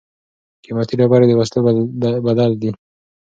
قیمتي ډبرې د وسلو بدل دي.